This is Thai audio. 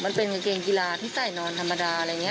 มันเป็นกางเกงกีฬาที่ใส่นอนธรรมดาอะไรอย่างนี้